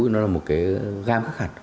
nó là một cái gam khác hẳn